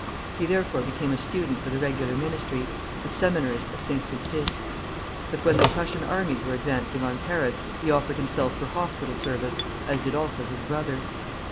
He therefore became a student for the regular ministry, a Seminarist of Saint Sulpice. But when the Prussian armies were advancing on Paris, he offered himself for hospital service, as did also his brother.